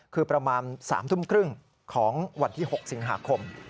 คือประมาณ๓ทุ่มครึ่งของวันที่๖สิงหาคม